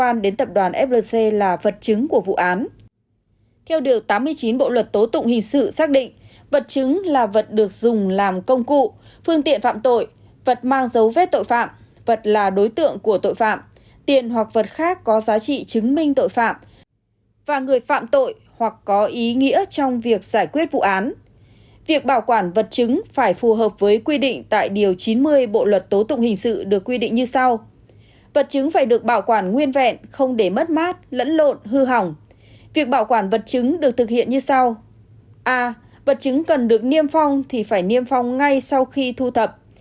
a vật chứng cần được niêm phong thì phải niêm phong ngay sau khi thu thập